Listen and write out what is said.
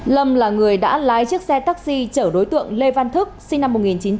lâm là người đã lái chiếc xe taxi chở đối tượng lê văn thức sinh năm một nghìn chín trăm tám mươi